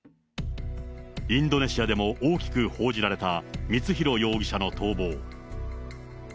インドネシアでも大きく報じられた光弘容疑者の逃亡。